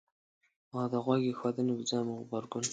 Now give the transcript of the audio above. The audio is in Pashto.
او د غوږ ایښودنې په ځای مو غبرګون